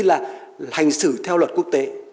là hành xử theo luật quốc tế